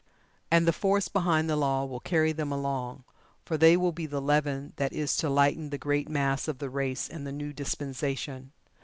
And the force behind the Law will carry them along, for they will be the leaven that is to lighten the great mass of the race in the new dispensation.